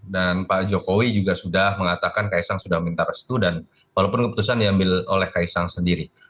dan pak jokowi juga sudah mengatakan kaya sang sudah minta restu dan walaupun keputusan diambil oleh kaya sang sendiri